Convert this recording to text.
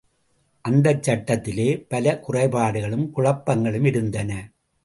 அந்த சட்டத்திலே பல குறைபாடுகளும் குழப்பங்களும் இருந்தன.